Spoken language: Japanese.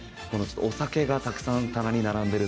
お酒がたくさん棚に並んでるっていう。